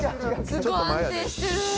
すごい安定してる。